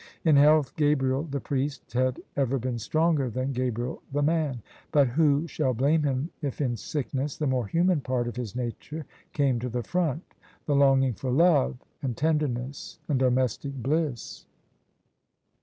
In health Gabriel the priest had ever been stronger than Gabriel the man : but who shall blame him if in sickness the more human part of his nature came to the front — the longing for love and tenderness and domestic bliss?